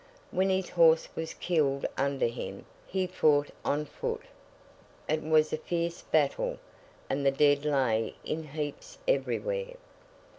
When his horse was killed under him, he fought on foot. It was a fierce battle, and the dead lay in heaps everywhere.